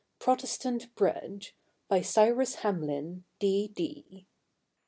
"PROTESTANT BREAD" BY CYRUS HAMLIN, D.D.